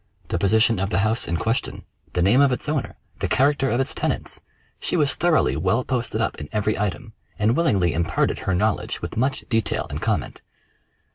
The position of the house in question; the name of its owner; the character of its tenants; she was thoroughly well posted up in every item, and willingly imparted her knowledge with much detail and comment.